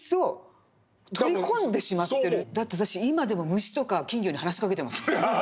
今でも虫とか金魚に話しかけてますもん。